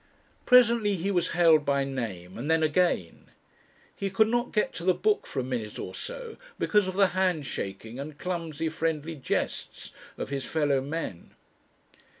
Presently he was hailed by name, and then again. He could not get to the Book for a minute or so, because of the hand shaking and clumsy friendly jests of his fellow "men."